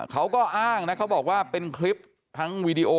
เขาก็อ้างนะเขาบอกว่าเป็นคลิปทั้งวีดีโอ